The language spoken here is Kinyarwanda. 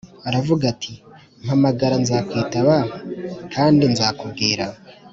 aravuga ati mpamagara nzakwitaba m kandi nzakubwira